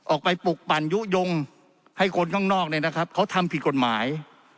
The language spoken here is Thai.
ออกไปปลุกปั่นยุโยงให้คนข้างนอกเนี่ยนะครับเขาทำผิดกฎหมาย